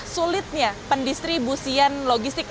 sulitnya pendistribusian logistik